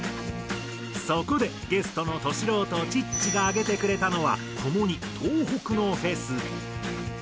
そこでゲストのＴＯＳＨＩ−ＬＯＷとチッチが挙げてくれたのは共に東北のフェス。